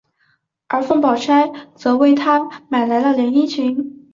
而凤宝钗则为他买来了连衣裙。